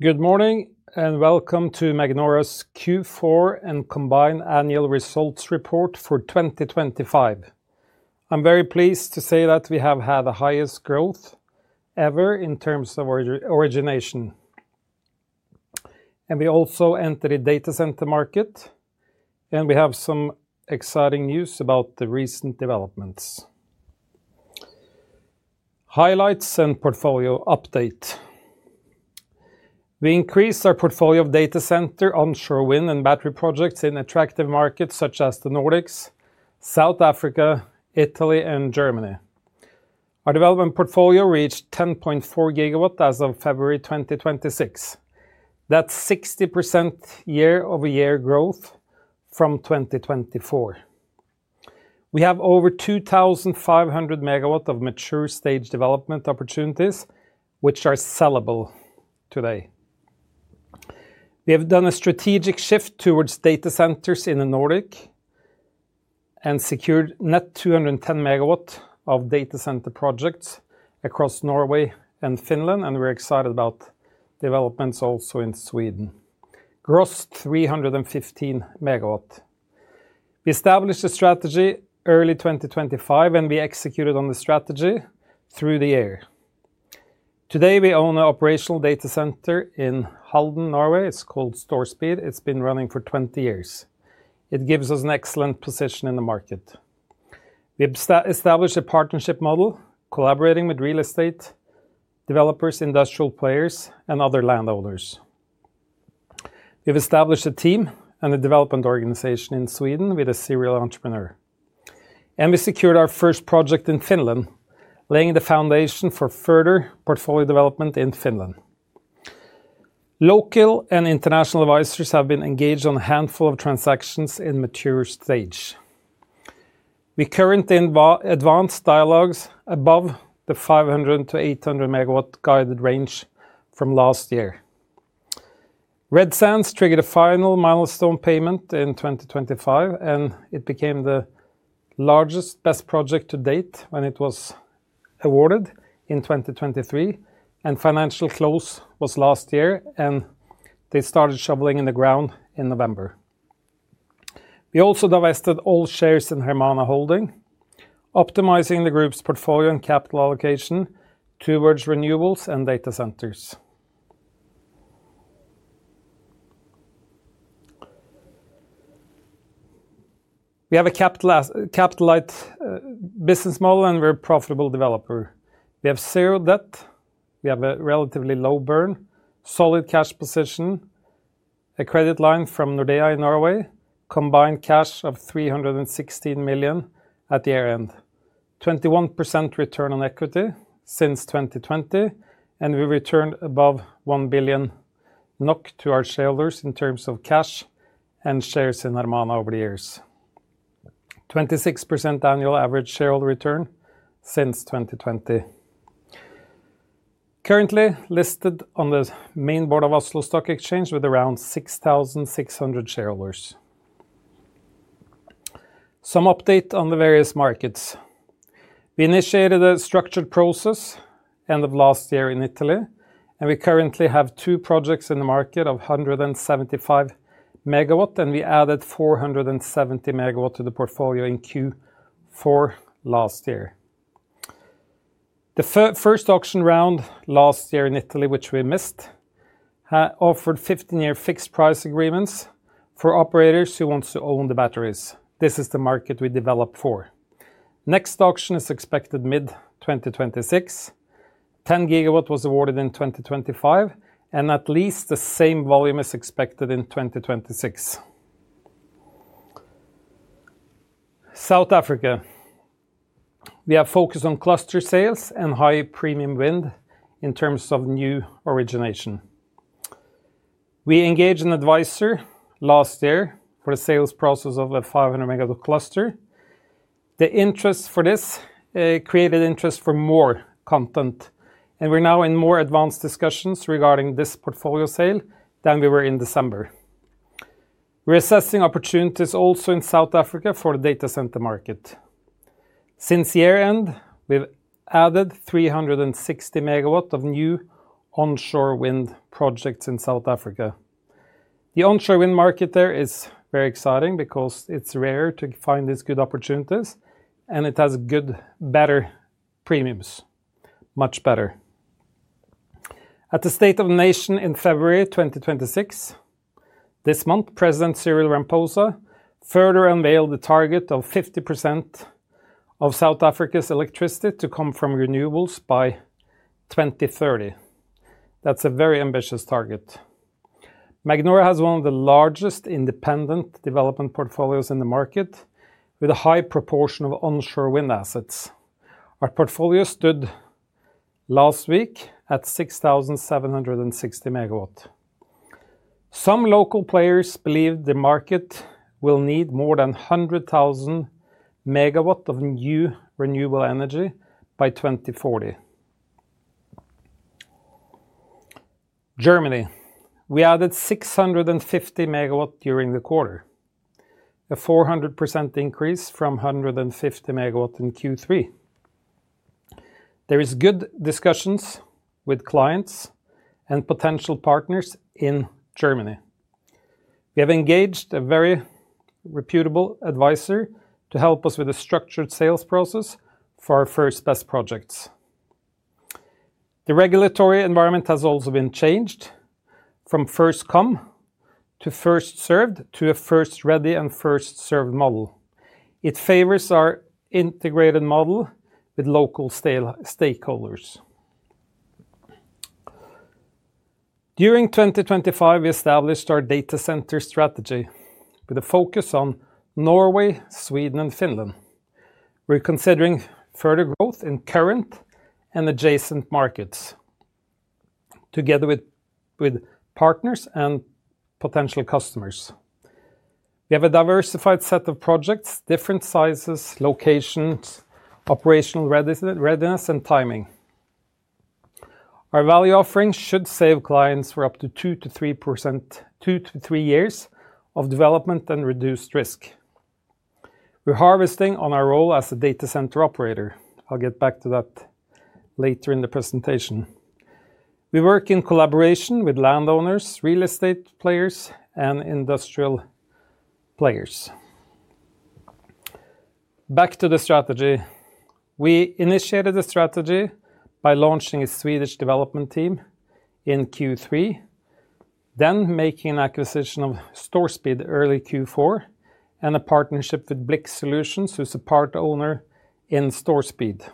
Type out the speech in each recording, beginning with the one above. Good morning, welcome to Magnora's Q4 and combined annual results report for 2025. I'm very pleased to say that we have had the highest growth ever in terms of origination. We also entered a data center market, and we have some exciting news about the recent developments. Highlights and portfolio update. We increased our portfolio of data center, onshore wind, and battery projects in attractive markets such as the Nordics, South Africa, Italy, and Germany. Our development portfolio reached 10.4 GW as of February 2026. That's 60% year-over-year growth from 2024. We have over 2,500 MW of mature stage development opportunities, which are sellable today. We have done a strategic shift towards data centers in the Nordic and secured net 210 MW of data center projects across Norway and Finland. We are excited about developments also in Sweden, gross 315 MW. We established a strategy early 2025. We executed on the strategy through the year. Today, we own an operational data center in Halden, Norway. It's called StoreSpeed. It's been running for 20 years. It gives us an excellent position in the market. We've established a partnership model, collaborating with real estate developers, industrial players, and other landowners. We've established a team and a development organization in Sweden with a serial entrepreneur. We secured our first project in Finland, laying the foundation for further portfolio development in Finland. Local and international advisors have been engaged on a handful of transactions in mature stage. We're currently in advanced dialogues above the 500-800 MW guided range from last year. Red Sand triggered a final milestone payment in 2025. It became the largest, BESS project to date when it was awarded in 2023. Financial close was last year. They started shoveling in the ground in November. We also divested all shares in Hermana Holding, optimizing the group's portfolio and capital allocation towards renewables and data centers. We have a capital light business model. We're a profitable developer. We have 0 debt. We have a relatively low burn, solid cash position, a credit line from Nordea in Norway, combined cash of 316 million at the year-end, 21 return on equity since 2020, and we returned above 1 billion NOK to our shareholders in terms of cash and shares in Hermana over the years. 26% annual average shareholder return since 2020. Currently listed on the main board of Oslo Stock Exchange with around 6,600 shareholders. Some update on the various markets. We initiated a structured process end of last year in Italy, we currently have two projects in the market of 175 MW, and we added 470 MW to the portfolio in Q4 last year. The first auction round last year in Italy, which we missed, offered 15-year fixed price agreements for operators who wants to own the batteries. This is the market we developed for. Next auction is expected mid-2026. 10 GW was awarded in 2025, at least the same volume is expected in 2026. South Africa. We are focused on cluster sales and high-premium wind in terms of new origination. We engaged an advisor last year for a sales process of a 500 MW cluster. The interest for this created interest for more content, we're now in more advanced discussions regarding this portfolio sale than we were in December. We're assessing opportunities also in South Africa for the data center market. Since year-end, we've added 360 MW of new onshore wind projects in South Africa. The onshore wind market there is very exciting because it's rare to find these good opportunities, and it has good, better premiums, much better. At the State of Nation in February 2026, this month, President Cyril Ramaphosa further unveiled the target of 50% of South Africa's electricity to come from renewables by 2030. That's a very ambitious target. Magnora has one of the largest independent development portfolios in the market, with a high proportion of onshore wind assets. Our portfolio stood last week at 6,760 MW. Some local players believe the market will need more than 100,000 MW of new renewable energy by 2040. Germany, we added 650 MW during the quarter, a 400% increase from 150 MW in Q3. There is good discussions with clients and potential partners in Germany. We have engaged a very reputable advisor to help us with a structured sales process for our first BESS projects. The regulatory environment has also been changed from first come, first served, to a first ready and first served model. It favors our integrated model with local stakeholders. During 2025, we established our data center strategy with a focus on Norway, Sweden, and Finland. We're considering further growth in current and adjacent markets, together with partners and potential customers. We have a diversified set of projects, different sizes, locations, operational readiness, and timing. Our value offerings should save clients for up to 2%-3%, 2-3 years of development and reduced risk. We're harvesting on our role as a data center operator. I'll get back to that later in the presentation. We work in collaboration with landowners, real estate players, and industrial players. Back to the strategy. We initiated the strategy by launching a Swedish development team in Q3, making an acquisition of Storespeed early Q4, and a partnership with Blix Solutions, who's a part owner in Storespeed.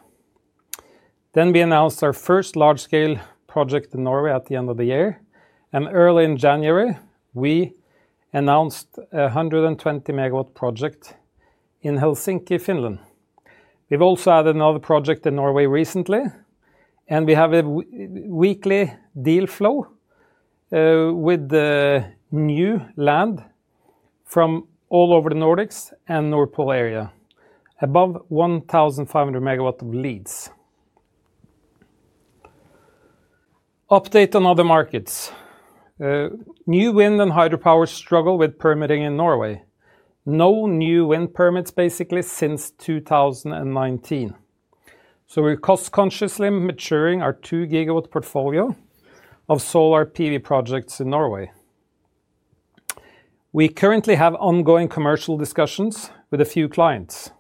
We announced our first large-scale project in Norway at the end of the year. Early in January, we announced a 120 MW project in Helsinki, Finland. We've also added another project in Norway recently. We have a weekly deal flow with the new land from all over the Nordics and Nord Pool area, above 1,500 MW of leads. Update on other markets. New wind and hydropower struggle with permitting in Norway. No new wind permits basically since 2019. We're cost-consciously maturing our 2 GW portfolio of solar PV projects in Norway. We currently have ongoing commercial discussions with a few clients.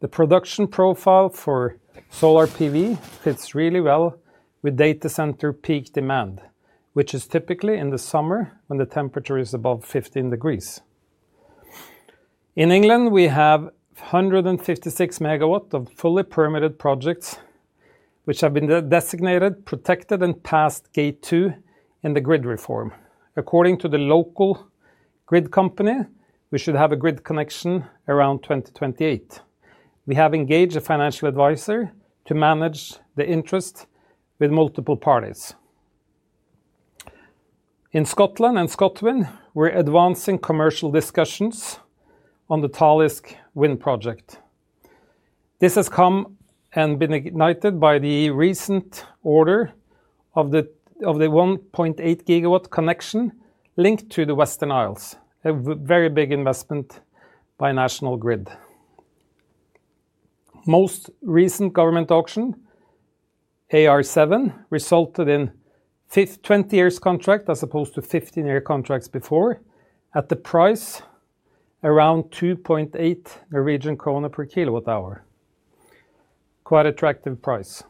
The production profile for solar PV fits really well with data center peak demand, which is typically in the summer when the temperature is above 15 degrees. In England, we have 156 MW of fully permitted projects, which have been designated, protected, and passed Gate 2 in the grid reform. According to the local grid company, we should have a grid connection around 2028. We have engaged a financial advisor to manage the interest with multiple parties. In Scotland and ScotWind, we're advancing commercial discussions on the Talisman wind project. This has come and been ignited by the recent order of the 1.8 GW connection linked to the Western Isles, a very big investment by National Grid. Most recent government auction, AR7, resulted in 20-year contract, as opposed to 15-year contracts before, at the price around 2.8 Norwegian krone per kWh. Quite attractive price.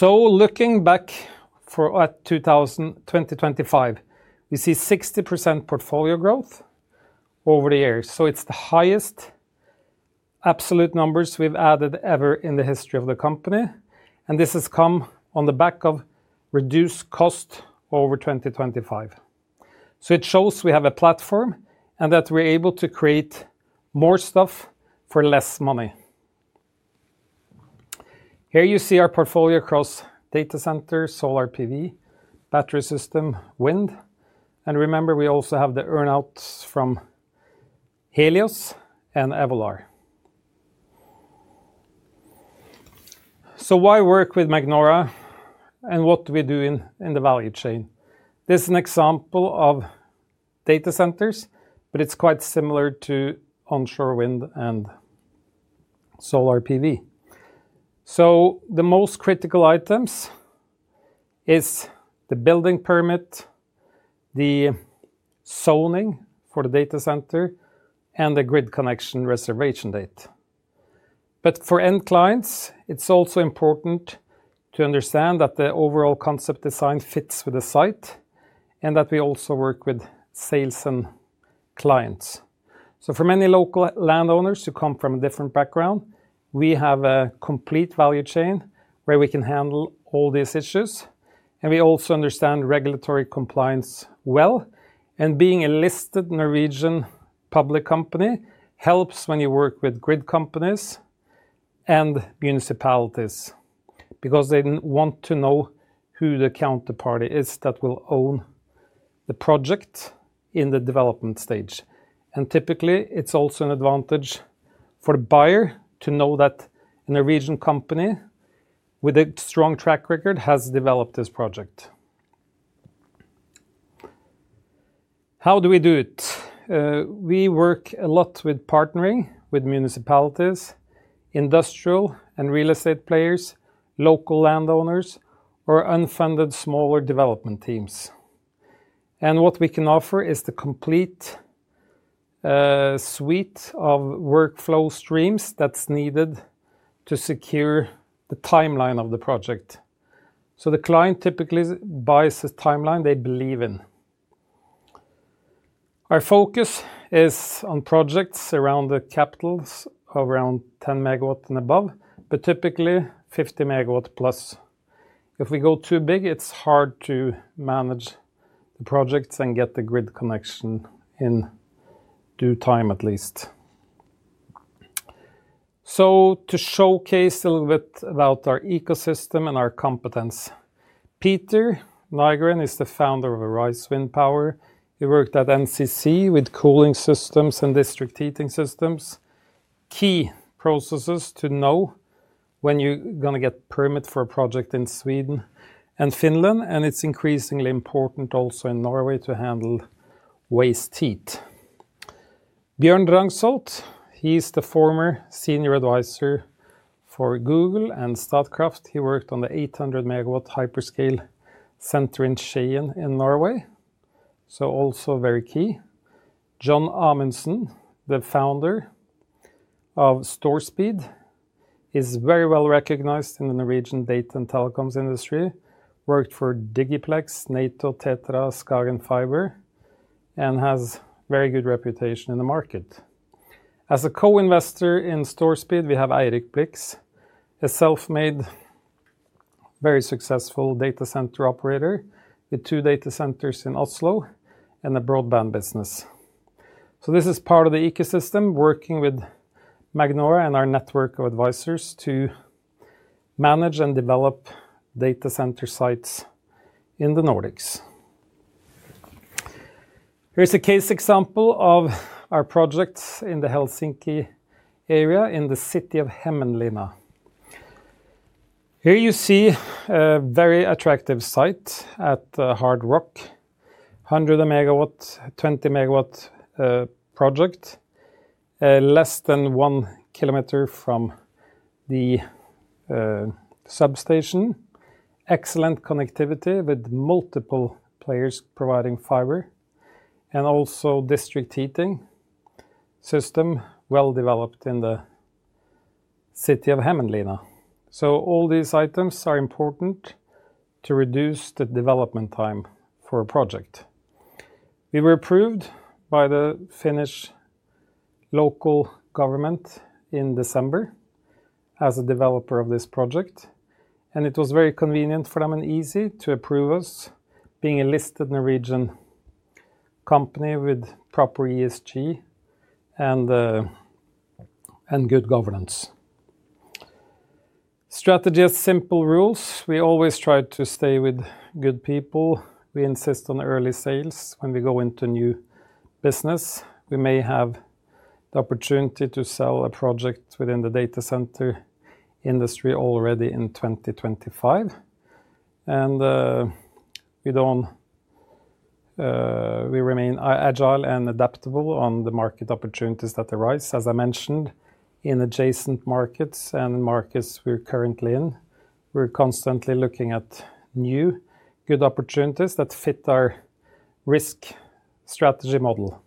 Looking back for at 2020-2025, we see 60% portfolio growth over the years. It's the highest absolute numbers we've added ever in the history of the company, and this has come on the back of reduced cost over 2025. It shows we have a platform, and that we're able to create more stuff for less money. Here you see our portfolio across data center, solar PV, battery system, wind. Remember, we also have the earn-outs from Helios and Evolar. Why work with Magnora, and what do we do in the value chain? This is an example of data centers, but it's quite similar to onshore wind and solar PV. The most critical items is the building permit, the zoning for the data center, and the grid connection reservation date. For end clients, it's also important to understand that the overall concept design fits with the site, and that we also work with sales and clients. For many local landowners who come from a different background, we have a complete value chain where we can handle all these issues, and we also understand regulatory compliance well. Being a listed Norwegian public company helps when you work with grid companies and municipalities, because they want to know who the counterparty is that will own the project in the development stage. Typically, it's also an advantage for the buyer to know that a Norwegian company with a strong track record has developed this project. How do we do it? We work a lot with partnering with municipalities, industrial and real estate players, local landowners, or unfunded smaller development teams. What we can offer is the complete suite of workflow streams that's needed to secure the timeline of the project. The client typically buys the timeline they believe in. Our focus is on projects around the capitals, around 10 MW and above, but typically 50 MW+. If we go too big, it's hard to manage the projects and get the grid connection in due time, at least. To showcase a little bit about our ecosystem and our competence, Peter Nygren is the founder of Arise Windpower. He worked at NCC with cooling systems and district heating systems. Key processes to know when you're gonna get permit for a project in Sweden and Finland, and it's increasingly important also in Norway to handle waste heat. Bjørn Drangsholt, he's the former senior advisor for Google and Statkraft. He worked on the 80 MW hyperscale center in Skien in Norway, so also very key. John Amundsen, the founder of Storespeed, is very well recognized in the Norwegian data and telecoms industry. Worked for DigiPlex, NATO, TETRA, Skagenfiber, and has very good reputation in the market. As a co-investor in Storespeed, we have Eirik Blix, a self-made, very successful data center operator, with two data centers in Oslo and a broadband business. This is part of the ecosystem, working with Magnora and our network of advisors to manage and develop data center sites in the Nordics. Here's a case example of our projects in the Helsinki area, in the city of Hämeenlinna. Here you see a very attractive site at the hard rock, 100 MW, 20 MW project, less than 1 km from the substation. Excellent connectivity with multiple players providing fiber, and also district heating system, well-developed in the city of Hämeenlinna. All these items are important to reduce the development time for a project. We were approved by the Finnish local government in December as a developer of this project, and it was very convenient for them and easy to approve us, being a listed Norwegian company with proper ESG and good governance. Strategy has simple rules. We always try to stay with good people. We insist on early sales when we go into new business. We may have the opportunity to sell a project within the data center industry already in 2025. We don't. We remain agile and adaptable on the market opportunities that arise, as I mentioned, in adjacent markets and markets we're currently in. We're constantly looking at new, good opportunities that fit our risk strategy model.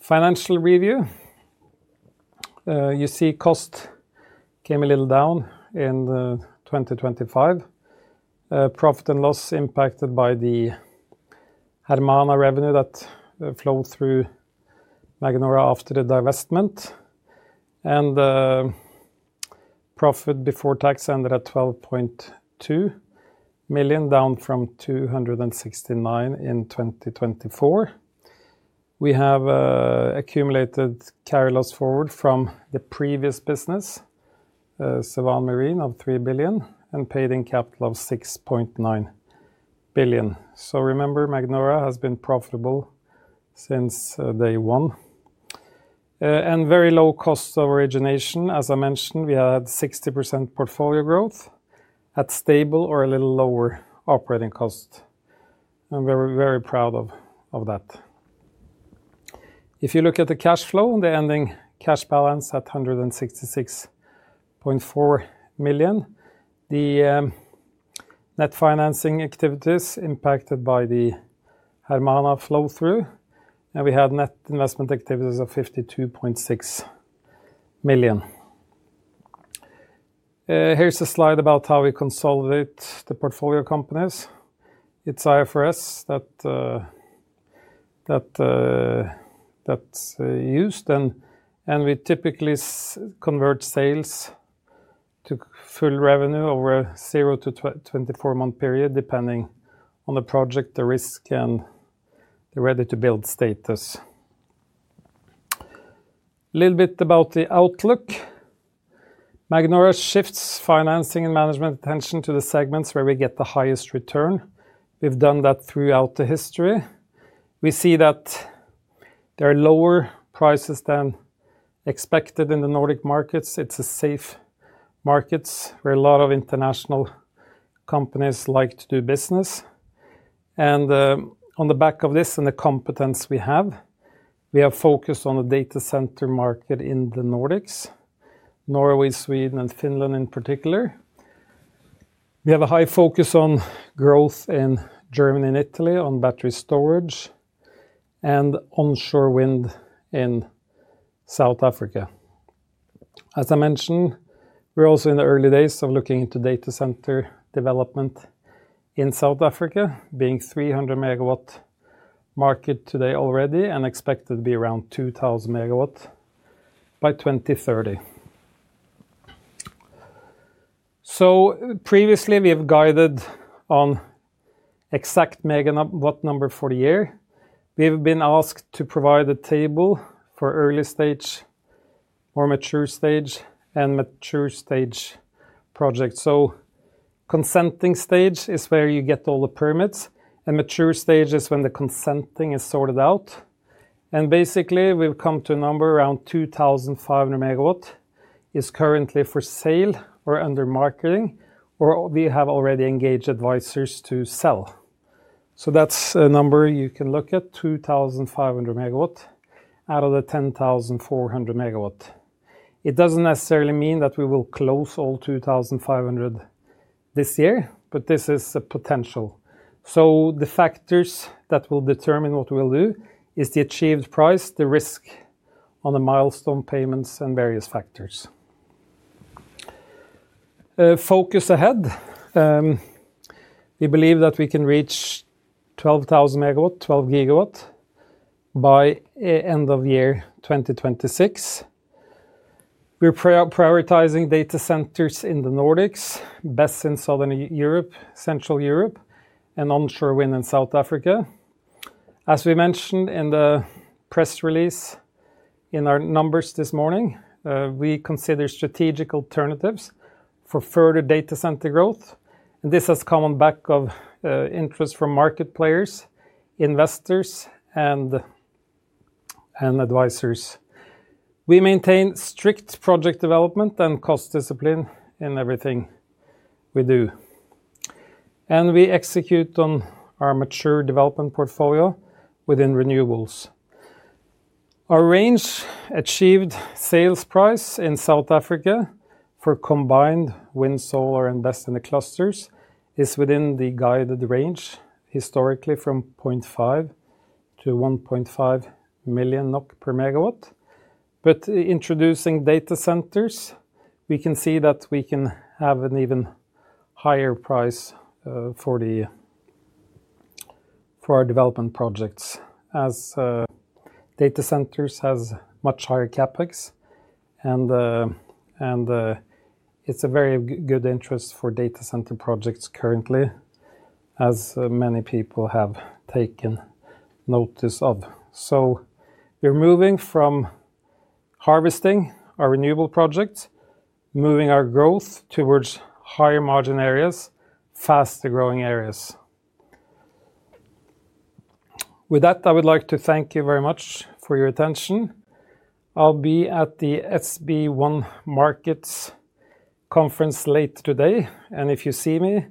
Financial review. You see cost came a little down in 2025. Profit and loss impacted by the Hermana revenue that flowed through Magnora after the divestment. Profit before tax ended at 12.2 million, down from 269 million in 2024. We have accumulated carry loss forward from the previous business, Sevan Marine, of 3 billion, and paid-in capital of 6.9 billion. Remember, Magnora has been profitable since day one. Very low cost of origination. As I mentioned, we had 60% portfolio growth at stable or a little lower operating cost, and we're very proud of that. If you look at the cash flow, the ending cash balance at 166.4 million. The net financing activities impacted by the Hermana flow-through, and we had net investment activities of 52.6 million. Here's a slide about how we consolidate the portfolio companies. It's IFRS that's used, and we typically convert sales to full revenue over a 0-24-month period, depending on the project, the risk, and the ready-to-build status. A little bit about the outlook. Magnora shifts financing and management attention to the segments where we get the highest return. We've done that throughout the history. We see that. There are lower prices than expected in the Nordic markets. It's a safe market, where a lot of international companies like to do business. On the back of this and the competence we have, we have focused on the data center market in the Nordics, Norway, Sweden, and Finland in particular. We have a high focus on growth in Germany and Italy, on battery storage, and onshore wind in South Africa. As I mentioned, we're also in the early days of looking into data center development in South Africa, being 300 MW market today already, and expected to be around 2,000 MW by 2030. Previously, we have guided on exact MW number for the year. We've been asked to provide a table for early stage or mature stage projects. Consenting stage is where you get all the permits, and mature stage is when the consenting is sorted out. Basically, we've come to a number around 2,500 MW is currently for sale or under marketing, or we have already engaged advisors to sell. That's a number you can look at, 2,500 MW out of the 10,400 MW. It doesn't necessarily mean that we will close all 2,500 this year, but this is the potential. The factors that will determine what we'll do is the achieved price, the risk on the milestone payments, and various factors. Focus ahead. We believe that we can reach 12,000 MW, 12 GW, by end of year 2026. We're prioritizing data centers in the Nordics, BESS in Southern Europe, Central Europe, and onshore wind in South Africa. As we mentioned in the press release, in our numbers this morning, we consider strategic alternatives for further data center growth, and this has come on back of interest from market players, investors, and advisors. We maintain strict project development and cost discipline in everything we do, and we execute on our mature development portfolio within renewables. Our range achieved sales price in South Africa for combined wind, solar, and BESS in the clusters, is within the guided range, historically from 0.5 million NOK-1.5 million NOK per MW. But introducing data centers, we can see that we can have an even higher price for the. for our development projects, as data centers has much higher CapEx and it's a very good interest for data center projects currently, as many people have taken notice of. We're moving from harvesting our renewable projects, moving our growth towards higher-margin areas, faster-growing areas. With that, I would like to thank you very much for your attention. I'll be at the SB1 Markets conference late today, and if you see me,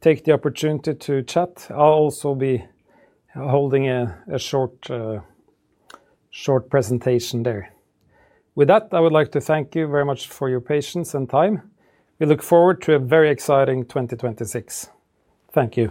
take the opportunity to chat. I'll also be holding a short presentation there. With that, I would like to thank you very much for your patience and time. We look forward to a very exciting 2026. Thank you.